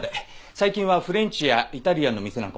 最近はフレンチやイタリアンの店なんかも出してて。